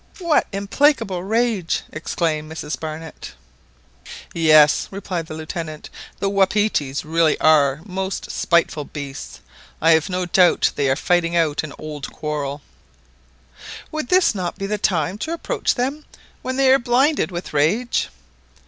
What implacable rage !" exclaimed Mrs Barnett. "Yes," replied the Lieutenant; "the wapitis really are most spiteful beasts. I have no doubt they are fighting out an old quarrel." "Would not this be the time to approach them, when they are blinded with rage?"